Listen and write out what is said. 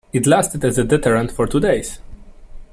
It lasted as a deterrent for two days.